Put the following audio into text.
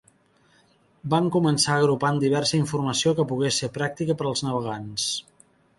Van començar agrupant diversa informació que pogués ser pràctica per als navegants.